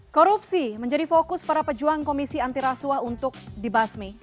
korupsi menjadi fokus para pejuang komisi antiraswa untuk dibasmi